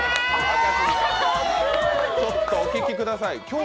ちょっとお聞きください。